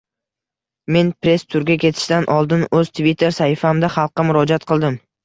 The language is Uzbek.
Men press turga ketishdan oldin oʻz tvitter sahifamda xalqqa murojat qildim.